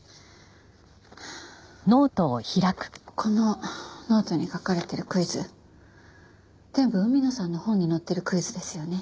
このノートに書かれてるクイズ全部海野さんの本に載ってるクイズですよね。